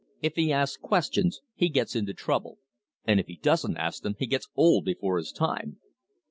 If he asks questions he gets into trouble, and if he doesn't ask them he gets old before his time.